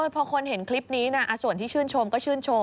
พอคนเห็นคลิปนี้ส่วนที่ชื่นชมก็ชื่นชม